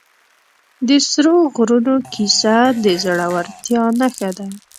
د سرو غرونو کیسه د زړورتیا نښه ده.